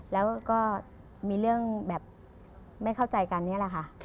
แล้วก็มีเรื่องแบบไม่เข้าใจกันนี่แหละค่ะ